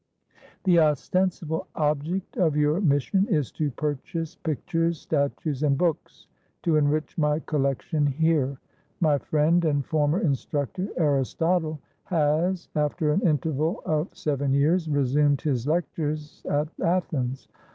"The ostensible object of your mission is to purchase pictures, statues, and books, to enrich my collection here. My friend and former instructor, Aristotle, has, after 197 GREECE an interval of seven years, resumed his lectures at Athens.